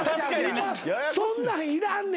そんなんいらんねん